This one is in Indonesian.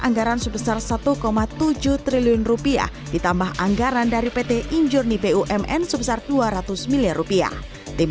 anggaran sebesar satu tujuh triliun rupiah ditambah anggaran dari pt injurni bumn sebesar dua ratus miliar rupiah tim